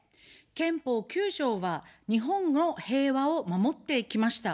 憲法９条は、日本の平和を守ってきました。